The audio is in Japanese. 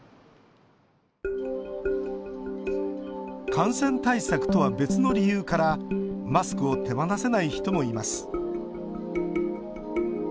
感染対策とは別の理由からマスクを手放せない人もいます。